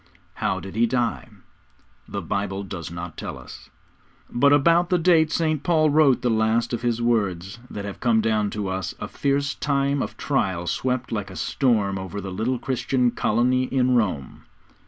How did he die? The Bible does not tell us. But about the date St. Paul wrote the last of his words that have come down to us, a fierce time of trial swept like a storm over the little Christian colony in Rome.